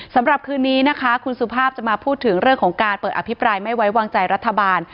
สำหรับคืนนี้นะคะคุณสุภาพจะมาพูดถึงเรื่องของการเปิดอภิปรายไม่ไว้วางใจรัฐบาล